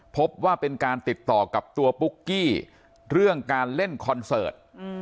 พบว่าเป็นการติดต่อกับตัวปุ๊กกี้เรื่องการเล่นคอนเสิร์ต